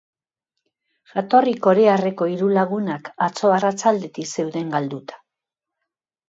Jatorri korearreko hiru lagunak atzo arratsaldetik zeuden galduta.